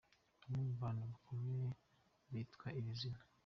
Bamwe mu bantu bakomeye bitwa iri zina.